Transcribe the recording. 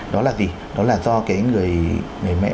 đó là gì đó là do cái người mẹ